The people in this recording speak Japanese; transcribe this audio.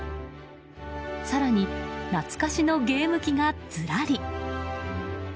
更に、懐かしのゲーム機がずらり。